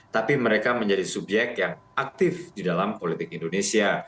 tapi mereka menjadi subyek yang aktif di dalam politik indonesia